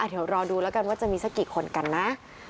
เดี๋ยวรอดูแล้วกันว่าจะมีสักกี่คนกันนะ